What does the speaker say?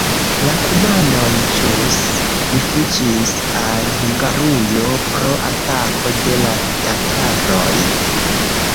La kumanoj ĵus rifuĝis al Hungarujo pro atako de la tataroj.